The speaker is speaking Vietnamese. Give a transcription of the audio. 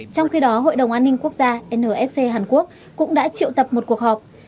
trong khi đó hội đồng an ninh quốc gia nsc hàn quốc cũng đã triệu tập một cuộc họp